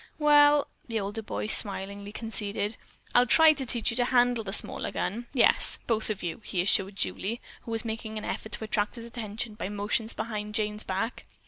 "Well," the older boy smilingly conceded, "I'll try to teach you to handle the smaller gun; yes, both of you," he assured Julie, who was making an effort to attract his attention by motions behind Jane's back.